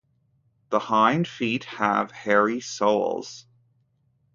The hind feet have hairy soles.